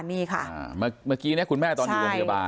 นี่ค่ะเมื่อกี้เนี่ยคุณแม่ตอนอยู่โรงพยาบาล